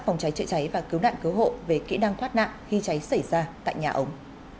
phòng cháy chữa cháy và cứu nạn cứu hộ về kỹ năng thoát nạn khi cháy xảy ra tại nhà ống